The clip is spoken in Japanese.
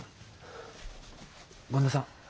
権田さん